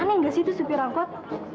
aneh nggak sih itu supir angkot